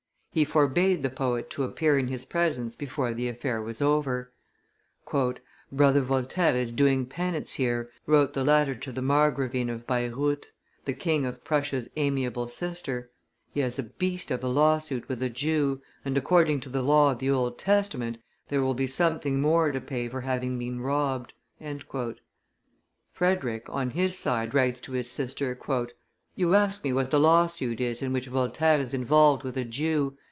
He forbade the poet to appear in his presence before the affair was over. "Brother Voltaire is doing penance here," wrote the latter to the Margravine of Baireuth, the King of Prussia's amiable sister he has a beast of a lawsuit with a Jew, and, according to the law of the Old Testament, there will be something more to pay for having been robbed. ..." Frederick, on his side, writes to his sister, "You ask me what the lawsuit is in which Voltaire is involved with a Jew.